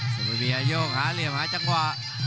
ซัมมะเบียโยกหาเหลี่ยมหาจังหวะ